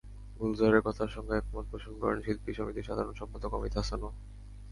গুলজারের কথার সঙ্গে একমত পোষণ করেন শিল্পী সমিতির সাধারণ সম্পাদক অমিত হাসানও।